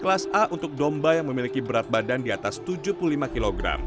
kelas a untuk domba yang memiliki berat badan di atas tujuh puluh lima kg